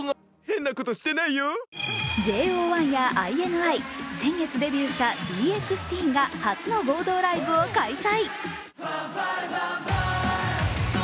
ＪＯ１やＩＮＩ先月デビューしたＤＸＴＥＥＮが初の合同ライブを開催。